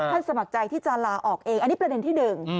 สมัครใจที่จะลาออกเองอันนี้ประเด็นที่หนึ่ง